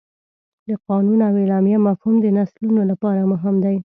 د قانون او اعلامیه مفهوم د نسلونو لپاره مهم دی.